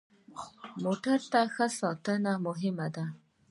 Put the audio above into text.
موټر ته ښه ساتنه مهمه ده.